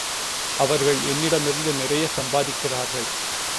அவர்கள் என்னிடமிருந்து நிறைய சம்பாதிக்கிறார்கள்.